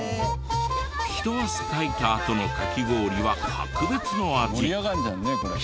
ひと汗かいたあとのカキ氷は格別の味！